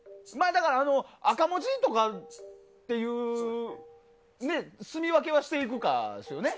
赤文字とかっていうすみ分けはしていくかですよね。